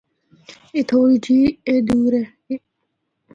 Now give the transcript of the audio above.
اے تھوڑی جی ای دور ہے۔